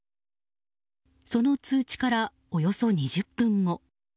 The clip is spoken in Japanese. その通知からおよそ２０分後。